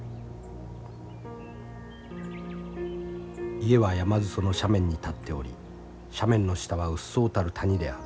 「家は山裾の斜面に建っており斜面の下はうっそうたる谷である。